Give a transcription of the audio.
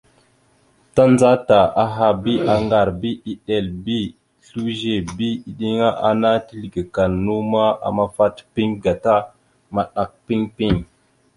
Tandzata aha bi aŋgar bi eɗel bi slʉze bi iɗeŋa ana teslekal naw ma, amafat piŋ gata maɗak piŋ piŋ.